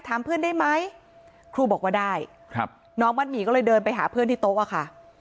ถามเพื่อนได้ไหมครูบอกว่าได้ครับน้องมัดหมี่ก็เลยเดินไปหาเพื่อนที่โต๊ะอะค่ะ